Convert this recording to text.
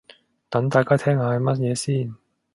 等大家聽下係乜嘢先